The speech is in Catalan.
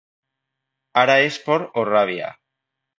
Ara és por o ràbia?